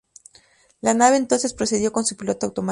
La nave entonces procedió con su piloto automático.